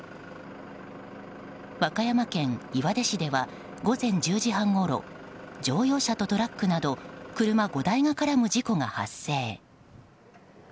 和歌山県岩出市では午前１０時半ごろ乗用車とトラックなど車５台が絡む事故が発生。